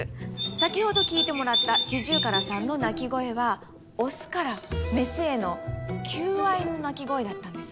先ほど聞いてもらったシジュウカラさんの鳴き声はオスからメスへの求愛の鳴き声だったんです。